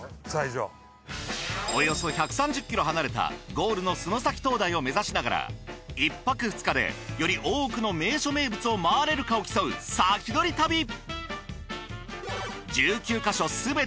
およそ１３０ｋｍ離れたゴールの洲埼灯台を目指しながら１泊２日でより多くの名所名物を回れるかを競う先取り旅！